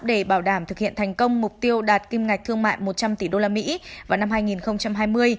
để bảo đảm thực hiện thành công mục tiêu đạt kim ngạch thương mại một trăm linh tỷ usd vào năm hai nghìn hai mươi